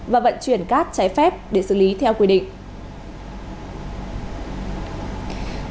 và vận chuyển cát trái phép để xử lý theo quy định